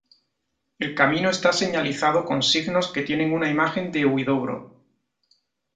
El camino está señalizado con signos que tienen una imagen de Huidobro.